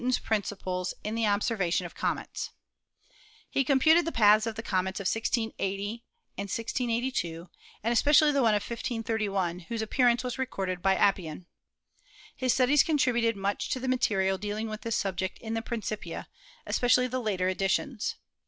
Newton's principles in the observation of comets. He com puted the paths of the comets of 1680 and 1682, and especially one of 1 531 whose appearance was recorded by Appian. His studies contributed much to the material dealing with this subject in the Principia, especially the later editions.